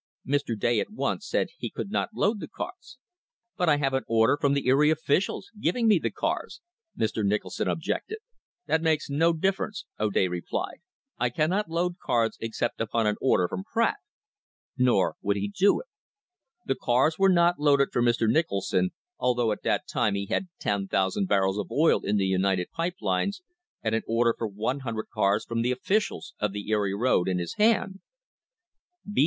Mr. O'Day at once said he could not load the cars. "But I have an order from the Erie officials, giv ing me the cars," Mr. Nicholson objected. "That makes no difference, " O'Day replied ; "I cannot load cars except upon an order from Pratt." Nor would he do it. The cars were not loaded for Mr. Nicholson, although at that time he had ten thousand barrels of oil in the United Pipe Lines, and an order for 100 cars from the officials of the Erie road in his hand.